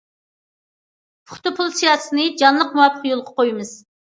پۇختا پۇل سىياسىتىنى جانلىق، مۇۋاپىق يولغا قويىمىز.